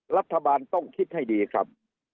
รัฐบาลต้องคิดให้ดีครับ